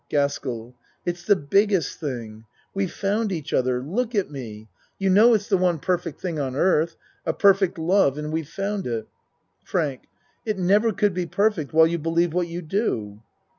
GASKELL It's the biggest thing. We've found each other. Look at me. You know it's the one perfect thing on earth a perfect love and we've found it. FRANK It never could be perfect while you be lieve what you do.